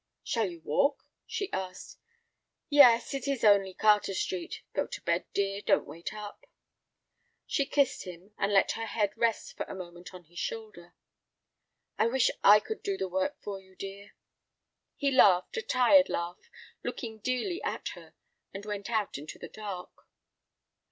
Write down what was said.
"Shall you walk?" she asked. "Yes, it is only Carter Street. Go to bed, dear, don't wait up." She kissed him, and let her head rest for a moment on his shoulder. "I wish I could do the work for you, dear." He laughed, a tired laugh, looking dearly at her, and went out into the dark.